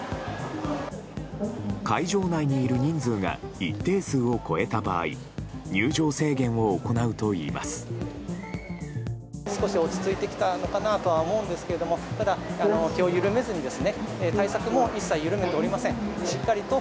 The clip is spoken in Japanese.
会場内にいる人数が一定数を超えた場合入場制限を行うといいます。